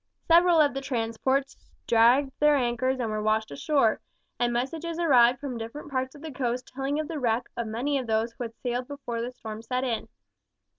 Several of the transports dragged their anchors and were washed ashore, and messages arrived from different parts of the coast telling of the wreck of many of those which had sailed before the storm set in.